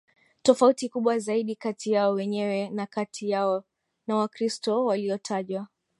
tofauti kubwa zaidi kati yao wenyewe na kati yao na Wakristo waliotajwa